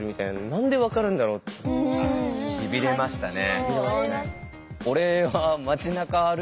しびれましたね。